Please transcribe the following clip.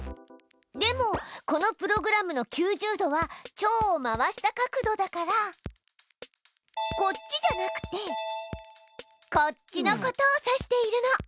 でもこのプログラムの９０度はチョウを回した角度だからこっちじゃなくてこっちのことを指しているの。